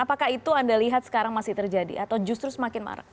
apakah itu anda lihat sekarang masih terjadi atau justru semakin marah